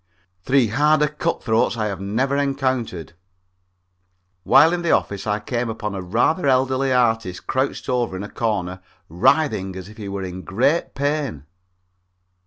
Three harder cut throats I have never encountered. While in the office, I came upon a rather elderly artist crouched over in a corner writhing as if he was in great pain.